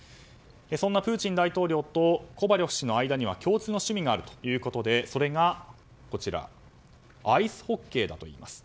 そんなプーチン大統領とコバリョフ氏の間には共通の趣味があり、それがアイスホッケーだといいます。